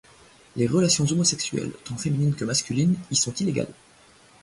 Les relations homosexuelles tant féminines que masculines y sont illégales.